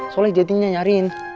soleh jadinya nyariin